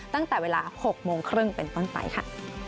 ตั้งแต่เวลา๖โมงครึ่งเป็นต้นไปค่ะ